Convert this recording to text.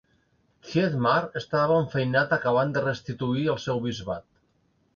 Thietmar estava enfeinat acabant de restituir el seu bisbat.